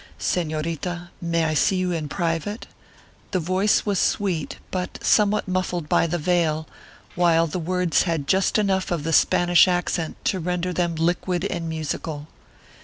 "Señorita, may I see you in private?" The voice was sweet, but somewhat muffled by the veil, while the words had just enough of the Spanish accent to render them liquid and musical.